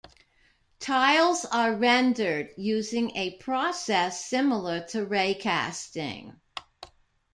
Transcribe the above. Tiles are rendered using a process similar to ray-casting.